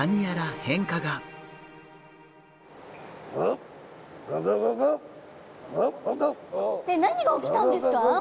えっ何が起きたんですか？